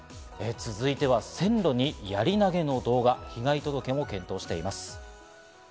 続いては線路にやり投げの動画、被害届も検討しています。